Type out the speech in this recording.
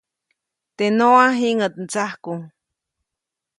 Teʼ noʼa jiŋäʼt ndsajku.